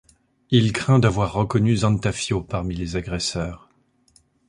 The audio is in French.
Il craint d'avoir reconnu Zantafio parmi les agresseurs.